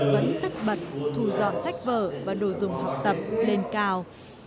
vẫn tất bật thu dọn sách vở và đồ dùng học tập lên cao